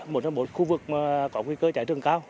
một trong bốn khu vực có nguy cơ cháy rừng cao